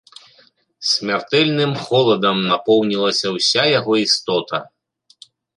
Смяртэльным холадам напоўнілася ўся яго істота.